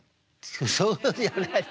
「そうじゃない。